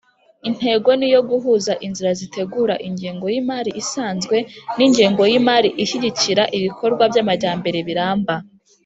intego ni iyo guhuza inzira zitegura ingengo y'imari isanzwe n'ingengo y'imari ishyigikira ibikorwa by'amajyambere biramba